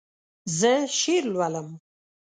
زه شعر لولم.